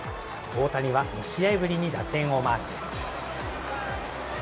大谷は２試合ぶりに打点をマークです。